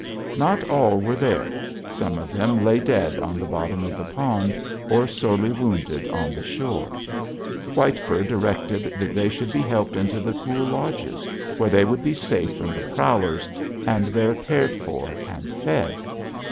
Not all were there: some of them lay dead on the bottom of the pond or sorely wounded on the shore. White Fur directed that they should be helped into the cool lodges, where they would be safe from the prowlers, and there cared for and fed.